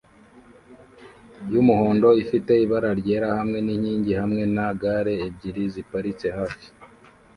yumuhondo ifite ibara ryera hamwe ninkingi hamwe na gare ebyiri ziparitse hafi